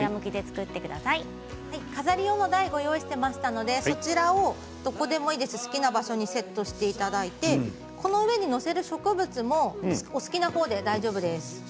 飾り用の台をご用意していましたのでそちらをどこでもいいです好きな場所にセットしていただいてこの上に載せる植物もお好きな方で大丈夫です。